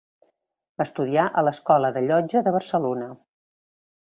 Va estudiar a l'Escola de Llotja de Barcelona.